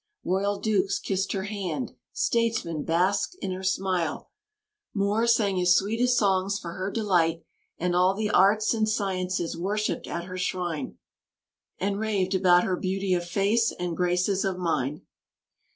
Royal Dukes kissed her hand; statesman basked in her smile; Moore sang his sweetest songs for her delight; and all the arts and sciences worshipped at her shrine, and raved about her beauty of face and graces of mind.